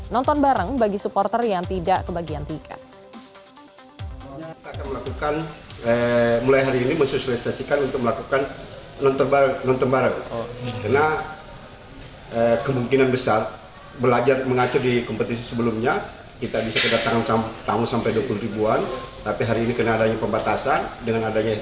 nonton bareng bagi supporter yang tidak kebagian tiga